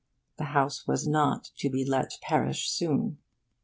The house was not to be let perish soon.